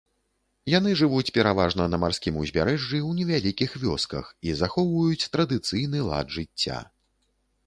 Яны жывуць пераважна на марскім узбярэжжы ў невялікіх вёсках і захоўваюць традыцыйны лад жыцця.